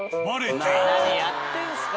何やってんすか。